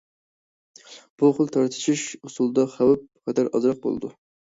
بۇ خىل تارتىشىش ئۇسۇلىدا خەۋپ-خەتەر ئازراق بولىدۇ.